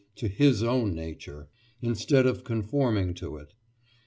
_, to his own nature) instead of conforming to it.